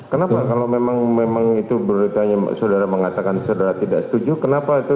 kenapa kalau memang itu beritanya saudara mengatakan saudara tidak setuju kenapa itu